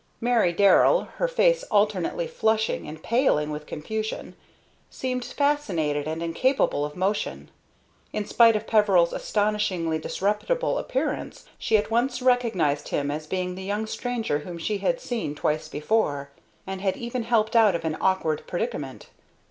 Mary Darrell, her face alternately flushing and paling with confusion, seemed fascinated and incapable of motion. In spite of Peveril's astonishingly disreputable appearance, she at once recognized him as being the young stranger whom she had seen twice before, and had even helped out of an awkward predicament.